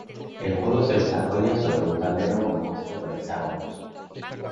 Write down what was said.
El juego se desarrolla sobre un tablero compuesto por hexágonos.